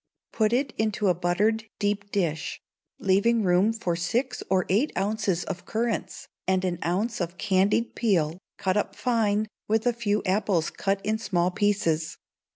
Put it into a buttered deep dish, leaving room for six or eight ounces of currants, and an ounce of candied peel, cut up fine, with a few apples cut in small pieces.